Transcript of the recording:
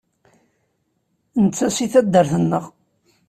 Netta seg taddart-nneɣ.